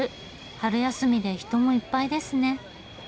春休みで人もいっぱいですね。